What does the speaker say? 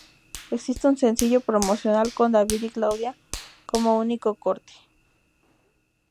Existe un sencillo promocional con David y Claudia como único corte.